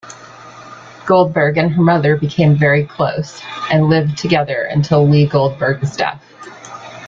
Goldberg and her mother became very close and lived together until Leah Goldberg's death.